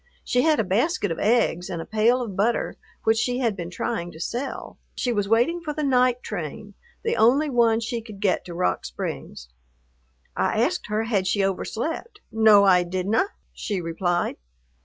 She had a basket of eggs and a pail of butter, which she had been trying to sell. She was waiting for the night train, the only one she could get to Rock Springs. I asked her had she overslept. "No, I didna," she replied.